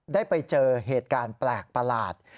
ได้ไปเจอเหตุการณ์แปลกประหลาด